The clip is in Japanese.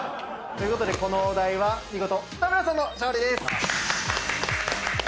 ということでこのお題は見事北村さんの勝利です！